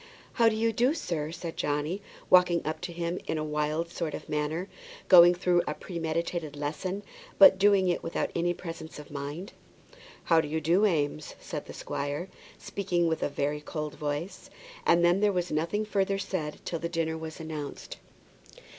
"How do you do, sir?" said Johnny, walking up to him in a wild sort of manner, going through a premeditated lesson, but doing it without any presence of mind. "How do you do, Eames?" said the squire, speaking with a very cold voice. And then there was nothing further said till the dinner was announced.